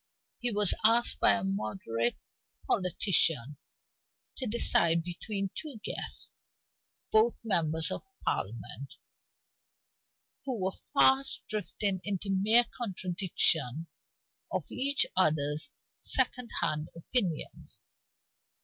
He was asked as a moderate politician to decide between two guests, both members of Parliament, who were fast drifting into mere contradiction of each other's second hand opinions.